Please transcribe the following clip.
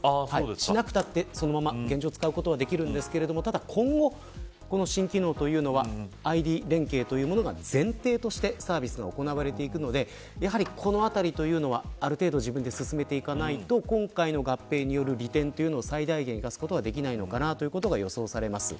しなくても、現状使うことはできるんですがただ今後、新機能というのはＩＤ連携が前提としてサービスが行われていくのでこのあたりはある程度自分で進めていかないと今回の合併による利点を最大限に生かすことはできないのかなということが予想されます。